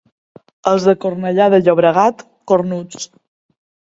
Els de Cornellà de Llobregat, cornuts.